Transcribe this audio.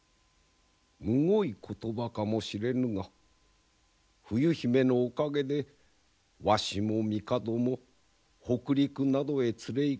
むごい言葉かもしれぬが冬姫のおかげでわしも帝も北陸などへ連れいかれずに済んでおる。